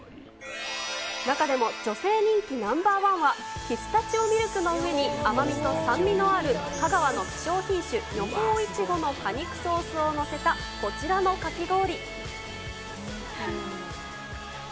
中でも女性人気ナンバー１は、ピスタチオミルクの上に、甘みと酸味のある香川の希少品種、女峰イチゴの果肉ソースを載せたこちらのかき氷。